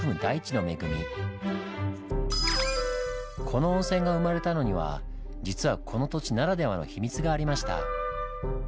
この温泉が生まれたのには実はこの土地ならではの秘密がありました。